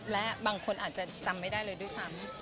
และบางคนอาจจะจำไม่ได้เลยด้วยซ้ำ